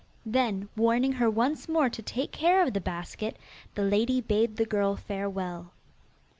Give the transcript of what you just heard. Then, warning her once more to take care of the basket, the lady bade the girl farewell.